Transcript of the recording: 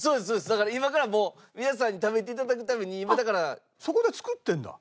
だから今からもう皆さんに食べて頂くために今だから。そこで作ってるんだ。